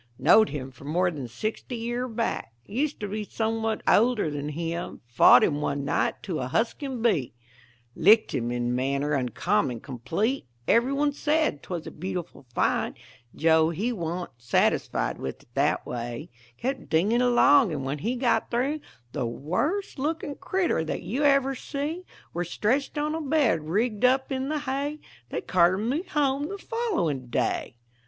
Knowed him for more than sixty year back Used to be somewhat older than him Fought him one night to a husking bee; Licked him in manner uncommon complete; Every one said 'twas a beautiful fight; Joe he wa'n't satisfied with it that way, Kept dinging along, and when he got through The worst looking critter that you ever see Were stretched on a bed rigged up in the hay They carted me home the following day.